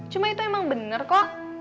cuma itu emang bener kok